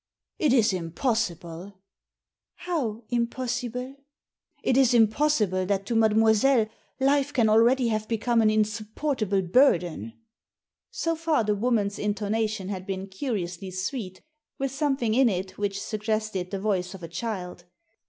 " It is impossible 1 "" How impossible ?" ''It is impossible that to mademoiselle life can already have become an insupportable burden." So far the woman's intonation had been curiously sweet, with something in it which suggested the voice of a child.